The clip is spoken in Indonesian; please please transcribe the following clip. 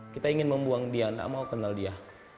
kita ingin membuang dia tidak mau kenal dia